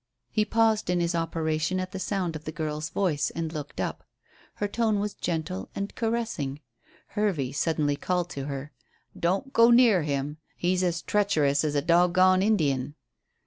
He paused in his operation at the sound of the girl's voice, and looked up. Her tone was gentle and caressing. Hervey suddenly called to her. "Don't go near him. He's as treacherous as a dogone Indian."